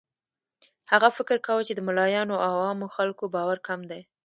هغه فکر کاوه چې د ملایانو او عامو خلکو باور کم دی.